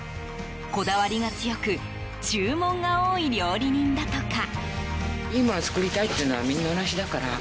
こだわりが強く注文が多い料理人だとか。